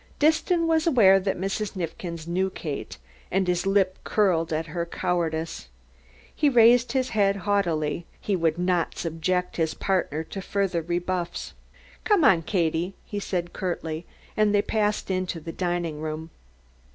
Disston was aware that Mrs. Neifkins knew Kate and his lip curled at her cowardice. He raised his head haughtily; he would not subject his partner to further rebuffs. "Come on, Katie," he said, curtly, and they passed into the dining room.